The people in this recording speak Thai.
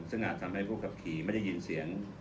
ซึ่งอาจทำให้ผู้ขับขี่ไม่ได้ยินเสียง